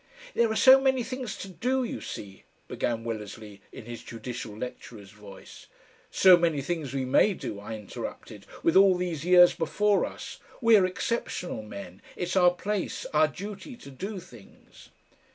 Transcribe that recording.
"There are so many things to do, you see," began Willersley, in his judicial lecturer's voice. "So many things we may do," I interrupted, "with all these years before us.... We're exceptional men. It's our place, our duty, to do things."